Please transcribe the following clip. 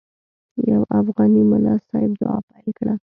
یو افغاني ملا صاحب دعا پیل کړه.